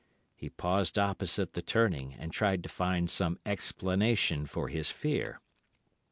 He paused opposite the turning, and tried to find some explanation for his fear.